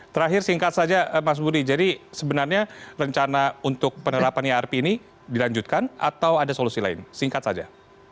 terakhir singkat saja mas budi jadi sebenarnya rencana untuk penerapan irp ini dilanjutkan atau ada solusi lain singkat saja